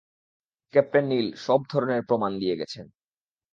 Captain Neil সব ধরনের প্রমাণ দিয়ে গেছেন।